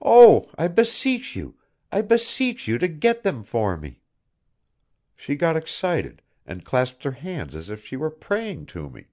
oh! I beseech you, I beseech you to get them for me...." She got excited and clasped her hands as if she were praying to me!